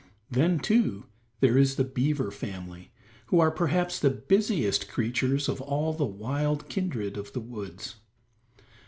Then, too, there is the beaver family, who are perhaps the busiest creatures of all the wild kindred of the woods.